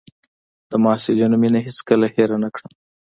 د محصلینو مينه هېڅ کله هېره نه کړم.